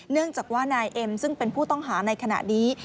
เนื่องจากว่านายเอ็มซึ่งเป็นผู้ต้องหาในขณะนี้